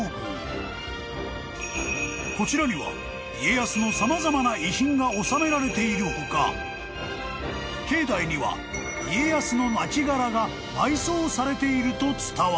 ［こちらには家康の様々な遺品が収められている他境内には家康の亡きがらが埋葬されていると伝わる］